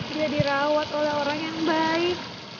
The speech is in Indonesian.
tidak dirawat oleh orang yang baik